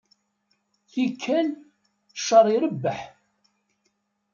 Tikkal, cceṛ irebbeḥ.